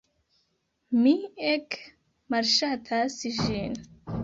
Mi ege malŝatas ĝin.